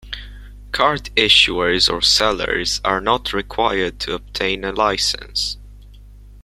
Card issuers or sellers are not required to obtain a license.